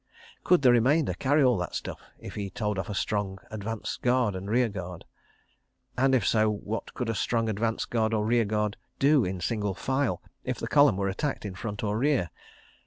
... Could the remainder carry all that stuff if he told off a strong advance guard and rear guard? And, if so, what could a strong advance guard or rear guard do in single file if the column were attacked in front or rear?